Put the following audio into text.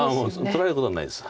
取られることはないです。